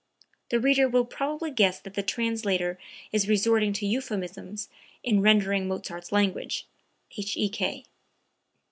[The reader will probably guess that the translator is resorting to euphemisms in rendering Mozart's language. H.E.K.